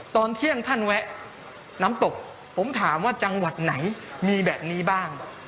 ตอนเที่ยงท่านแวะน้ำตกผมถามว่าจังหวัดไหนมีแบบนี้บ้าง